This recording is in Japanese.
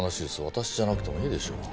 私じゃなくてもいいでしょう。